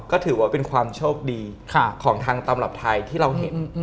ก็ถือว่าเป็นความโชคดีของทางตำรับไทยที่เราเห็น